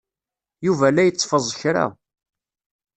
Yuba la itteffeẓ kra.